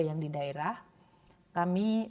yang di daerah kami